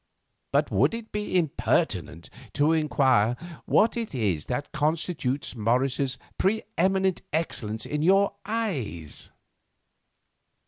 "But would it be impertinent to inquire what it is that constitutes Morris's preeminent excellence in your eyes?"